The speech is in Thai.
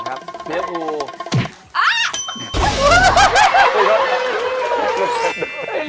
เฮ้ย